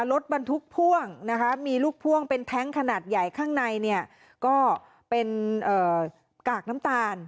รถบรรทุกพ่วงนะคะมีลูกพ่วงเป็นแท้งขนาดใหญ่ข้างในเนี่ยก็เป็นกากน้ำตาล